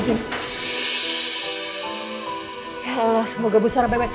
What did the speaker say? ya allah semoga busara baik baik